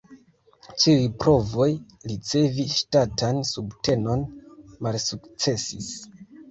Ĉiuj provoj ricevi ŝtatan subtenon malsukcesis.